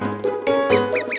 gigi permisi dulu ya mas